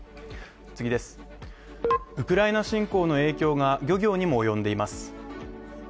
ウクライナ侵攻の影響が、漁業にも及んでいます。